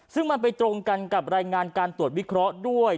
ซึ่งมันไปตรงกันกับรายงานการตรวจวิเคราะห์ด้วย